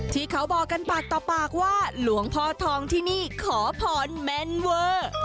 ที่เขาบอกกันปากต่อปากว่าหลวงพ่อทองที่นี่ขอพรแม่นเวอร์